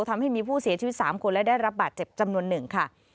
ทำให้มีผู้เสียชีวิต๓คนและได้รับบาดเจ็บจำนวนหนึ่งค่ะ